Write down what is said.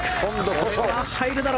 これは入るだろ。